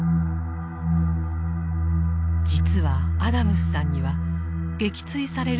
実はアダムスさんには撃墜される